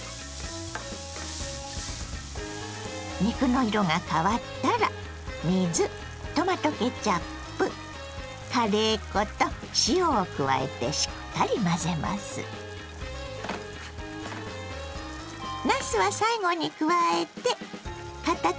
肉の色が変わったら水トマトケチャップカレー粉と塩を加えてしっかり混ぜます。